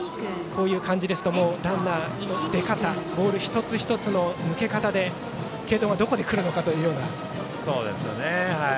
こういう感じですとランナーの出方ボール一つ一つの抜け方で継投がどこでくるのかというような。